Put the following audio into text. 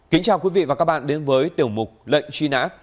kính chào quý vị và các bạn đến với tiểu mục lệnh truy nã